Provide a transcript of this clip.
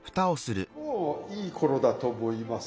もういいころだと思います。